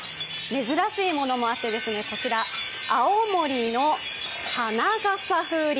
珍しいものもあってこちら、青森の花笠風鈴。